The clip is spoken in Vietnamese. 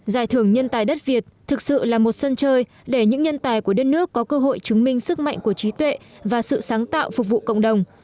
giải thưởng nhân tài đất việt thực sự là một sân chơi để những nhân tài của đất nước có cơ hội chứng minh sức mạnh của trí tuệ và sự sáng tạo phục vụ cộng đồng